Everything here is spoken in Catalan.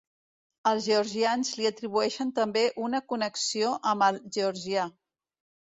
Els georgians li atribueixen també una connexió amb el georgià.